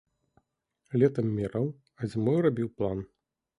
Летам мераў, а зімой рабіў план.